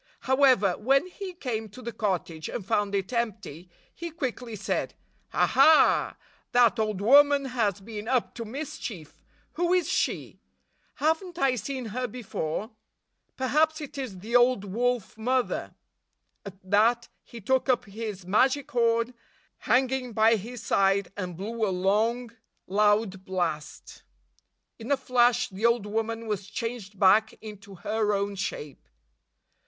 However, when he came to the cottage and found it empty, he quickly said, "Aha! That old woman has been up to mischief! Who is she? Have n't I seen her before? Perhaps it is the old Wolf Mother." At that, he took up his magic horn, hanging 62 by his side, and blew a long, loud blast. In a flash, the old woman was changed back into her own shape.